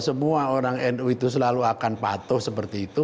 semua orang nu itu selalu akan patuh seperti itu